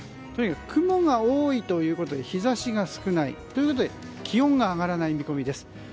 とにかく雲が多いということで日差しが少ない。ということで気温が上がらない見込みです。